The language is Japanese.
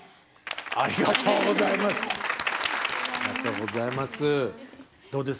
ありがとうございます。